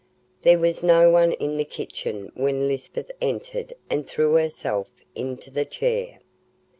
There was no one in the kitchen when Lisbeth entered and threw herself into the chair.